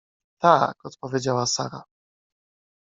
— Tak — odpowiedziała Sara.